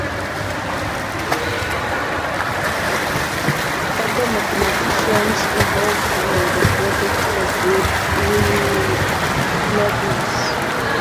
Other mathematicians involved in the project include Wilhelm Magnus.